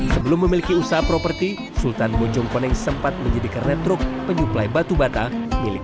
sebelum memiliki usaha properti sultan bojongkoneng sempat menjadi kernet truk penyuplai batu bata milik